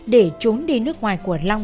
để trốn đi nước ngoài của lâm